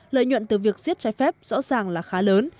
lợi nhuận từ việc giết trái phép rõ ràng là khá lớn